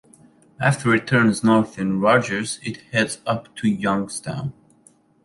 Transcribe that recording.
After it turns north in Rogers, it heads up to Youngstown.